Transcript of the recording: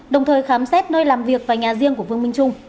đồng thời khám xét nơi làm việc và nhà riêng của vương minh trung